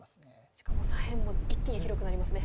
しかも左辺も一気に広くなりますね。